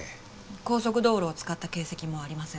高速道路を使った形跡もありません。